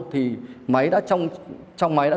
thì máy đã trong máy đã